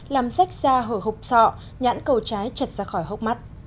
làm sách da hở hộp sọ nhãn cầu trái chật ra khỏi hốc mắt